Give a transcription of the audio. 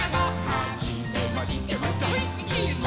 「はじめましてもだいすきも」